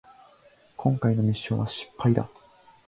こんかいのミッションは失敗だ